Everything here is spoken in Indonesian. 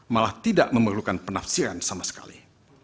malah tidak memerlukan penafsiran sama sekali